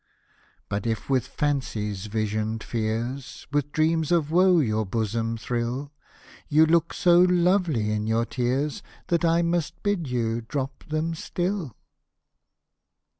But if with Fancy's visioned fears, With dreams of woe your bosom thrill You look so lovely in your tears, That I must bid you drop them still.